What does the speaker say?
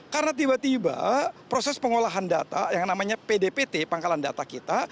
karena tiba tiba proses pengolahan data yang namanya pdpt pangkalan data kita